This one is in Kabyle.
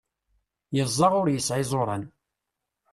Yeẓẓa ur yesɛi iẓuran.